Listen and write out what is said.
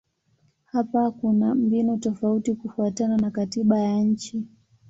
Hapa kuna mbinu tofauti kufuatana na katiba ya nchi.